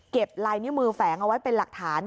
ลายนิ้วมือแฝงเอาไว้เป็นหลักฐาน